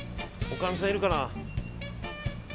おかみさんいるかな。